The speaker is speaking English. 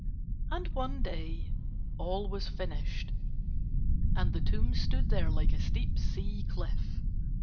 And one day all was finished, and the tomb stood there like a steep sea cliff.